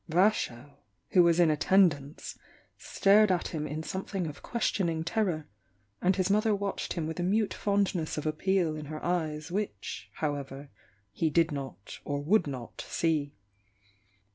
^.. Vasho, who was in attendance, stared at him m something of questioning terror, and his mother watched him with a mute fondness of appeal in her eyes which, however, he did not or would not see.